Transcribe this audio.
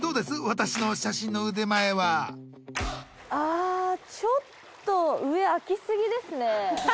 私の写真の腕前はあちょっと上空き過ぎですね